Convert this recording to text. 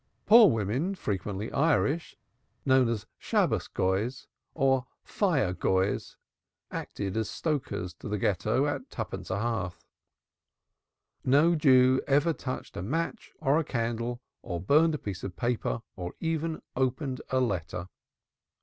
Poor women, frequently Irish, and known as Shabbos goyahs or fire goyahs, acted as stokers to the Ghetto at twopence a hearth. No Jew ever touched a match or a candle or burnt a piece of paper, or even opened a letter.